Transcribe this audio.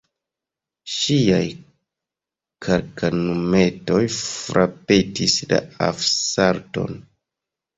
Ŝiaj kalkanumetoj frapetis la asfalton.